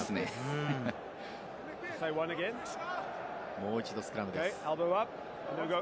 もう一度スクラムです。